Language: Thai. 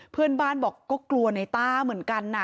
เพื่อนบ้านบอกก็กลัวในต้าเหมือนกันนะ